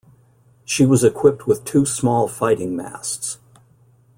She was equipped with two small fighting masts.